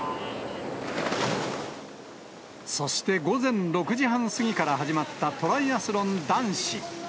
そして午前６時半過ぎから始まったトライアスロン男子。